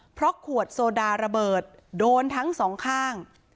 เพราะขวดโซดาระเบิดโดนทั้งสองข้าง